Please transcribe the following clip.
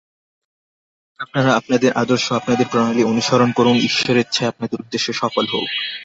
আপনারা আপনাদের আদর্শ, আপনাদের প্রণালী অনুসরণ করুন, ঈশ্বরেচ্ছায় আপনাদের উদ্দেশ্য সফল হউক।